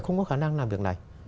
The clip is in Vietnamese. không có khả năng làm việc này